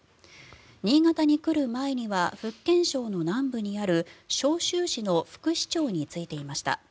新潟に来る前には福建省の南部にあるショウシュウ市の副市長に就いていました。